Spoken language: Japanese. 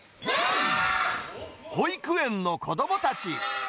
保育園の子どもたち。